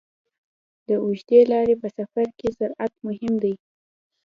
د اوږدې لارې په سفر کې سرعت مهم دی.